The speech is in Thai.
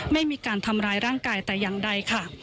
ไม่มีการทำร้ายร่างกายแต่อย่างใดค่ะ